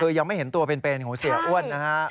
คือยังไม่เห็นตัวเป็นของเสียอ้วนนะฮะ